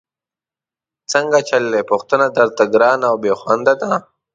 څنګه چل دی، پوښتنه درته ګرانه او بېخونده ده؟!